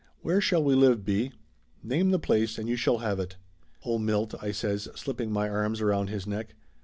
"Where shall we live, B. ? Name the place and you shall have it!" "Oh, Milt!" I says, slipping my arms around his neck.